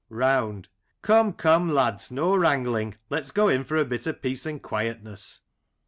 Round : Come, come, lads, no wrangling, let's go in for a bit of peace and quietness.